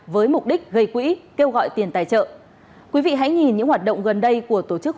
với mục đích gây quỹ kêu gọi tiền tài trợ quý vị hãy nhìn những hoạt động gần đây của tổ chức